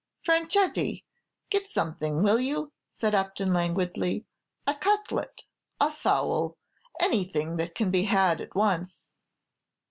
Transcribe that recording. "Franchetti, get something, will you?" said Upton, languidly, "a cutlet, a fowl; anything that can be had at once."